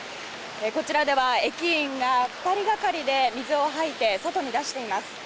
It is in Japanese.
こちらでは駅員が２人がかりで水をはいて、外に出しています。